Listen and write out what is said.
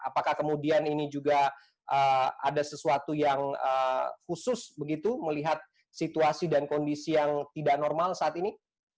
apakah kemudian ini juga ada sesuatu yang khusus begitu melihat situasi dan kondisi yang tidak normal saat ini